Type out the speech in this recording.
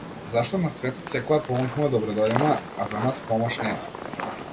Зашто на светот секоја помош му е добредојдена, а за нас помош нема.